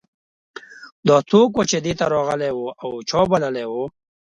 دا څوک و چې دې ته راغلی و او چا بللی و